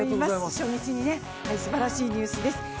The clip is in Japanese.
初日にすばらしいニュースです。